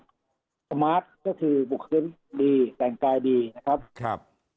เสมอคม้าทซ์ก็คือบุขกายดีแต่งกายดีนะครับ